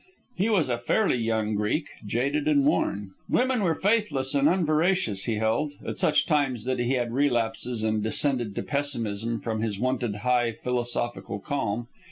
He was a fairly young Greek, jaded and worn. Women were faithless and unveracious, he held at such times that he had relapses and descended to pessimism from his wonted high philosophical calm.